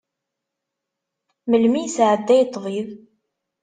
Melmi yesɛedday ṭṭbib?